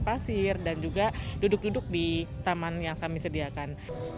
tetap bisa bermain pasir dan juga duduk duduk di taman yang kami sediakan